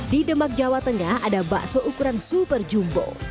di demak jawa tengah ada bakso ukuran super jumbo